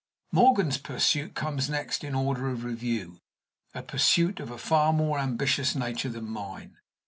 Morgan's pursuit comes next in order of review a pursuit of a far more ambitious nature than mine.